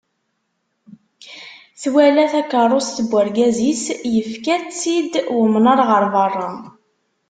Twala takerrust n urgaz-is yefka-tt-id umnar ɣer berra.